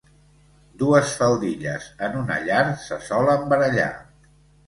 Dues faldilles en una llar se solen barallar.